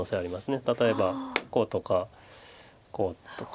例えばこうとかこうとか。